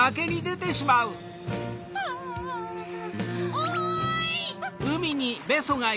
・おい！